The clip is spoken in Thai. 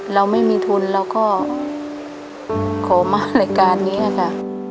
เราไม่มีทุนเราก็ขอมารายการนี้ค่ะ